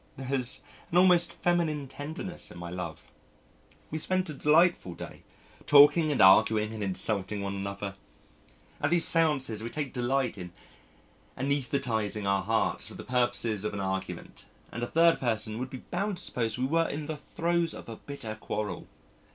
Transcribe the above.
There is an almost feminine tenderness in my love. We spent a delightful day, talking and arguing and insulting one another.... At these seances we take delight in anaesthetising our hearts for the purposes of argument, and a third person would be bound to suppose we were in the throes of a bitter quarrel.